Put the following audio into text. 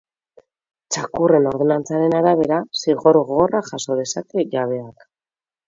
Txakurren ordenantzaren arabera, zigor gogorra jaso dezake jabeak.